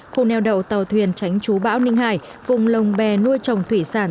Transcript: khu neo đầu tàu thuyền tránh chú bão ninh hải vùng lồng bè nuôi trồng thủy sản